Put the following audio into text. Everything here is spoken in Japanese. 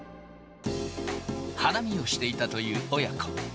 花見をしていたという親子。